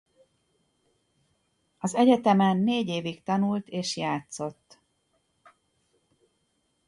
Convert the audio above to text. Az egyetemen négy évig tanult és játszott.